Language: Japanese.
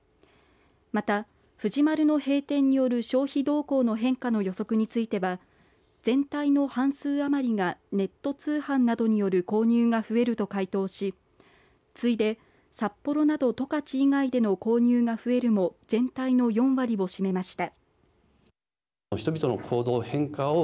また藤丸の閉店による消費動向の変化の予測については全体の半数余りがネット通販などによる購入が増えると回答し次いで、札幌など十勝以外での購入が増えるも全体の４割を占めました。